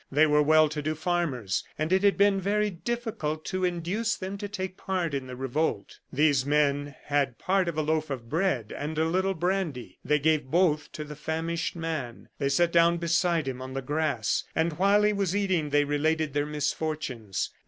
They were well to do farmers, and it had been very difficult to induce them to take part in the revolt. These men had part of a loaf of bread and a little brandy. They gave both to the famished man. They sat down beside him on the grass, and while he was eating they related their misfortunes.